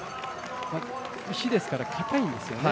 石ですから硬いんですよね。